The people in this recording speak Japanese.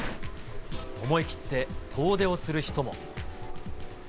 思い切って遠出をする人も。